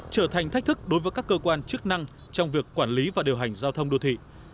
trở thành thách thức đối với các cơ quan chức năng trong việc quản lý và điều hành giao thông đô thị